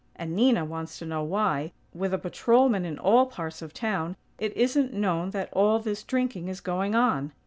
"And Nina wants to know why, with a patrolman in all parts of town, it isn't known that all this drinking is going on.